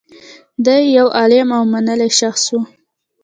دی یو عالم او منلی شخص و